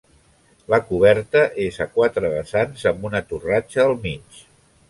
La coberta és a quatre vessants, amb una torratxa al mig.